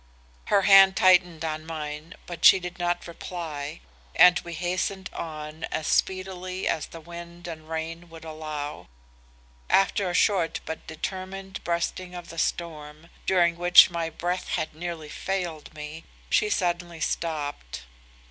"Her hand tightened on mine, but she did not reply, and we hastened on as speedily as the wind and rain would allow. After a short but determined breasting of the storm, during which my breath had nearly failed me, she suddenly stopped.